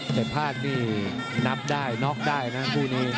แต่ภาคนี่นับได้น็อกได้นะคู่นี้